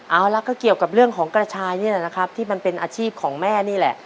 เอาละก็เกี่ยวกับเรื่องของกระชายนี่แหละนะครับที่มันเป็นอาชีพของแม่นี่แหละ